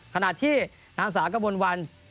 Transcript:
ขนาดที่นักศึกษากระบวนวัน